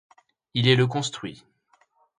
Il est le construit.